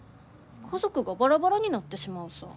家族がバラバラになってしまうさ。